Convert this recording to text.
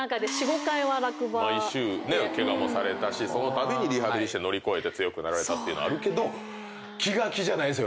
毎週ねケガもされたしそのたびにリハビリして乗り越えて強くなられたというのあるけど気が気じゃない。